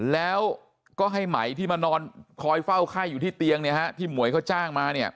แล้วก็ให้ไหมที่มานอนคอยเฝ้าไข้อยู่ที่เตียงเนี่ยฮะที่หมวยเขาจ้างมาเนี่ย